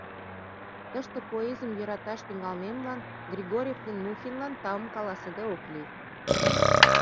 Тыште поэзийым йӧраташ тӱҥалмемлан Григорьев ден Мухинлан таум каласыде ок лий.